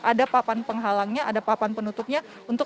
ada papan penghalangnya ada papan penutupnya untuk